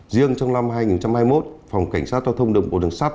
riêng trong năm hai nghìn hai mươi một phòng cảnh sát giao thông đường bộ đường sắt